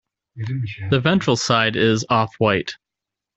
The ventral side is off-white.